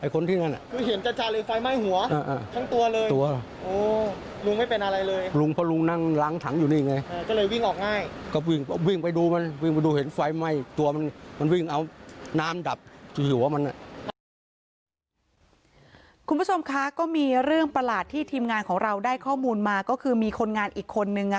คุณผู้ชมคะก็มีเรื่องประหลาดที่ทีมงานของเราได้ข้อมูลมาก็คือมีคนงานอีกคนนึง